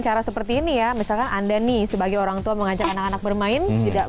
cara seperti ini ya misalnya anda nih sebagai orangtua mengajak anak anak bermain tidak